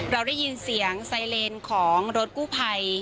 เราได้ยินเสียงไซเลนของรถกู้ภัย